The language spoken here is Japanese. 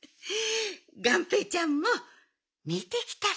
がんぺーちゃんもみてきたら？